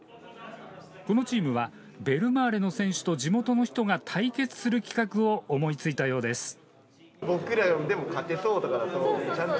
このチームはベルマーレの選手と地元の人が対決する企画を思いついたようです。